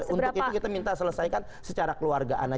untuk itu kita minta selesaikan secara keluargaan aja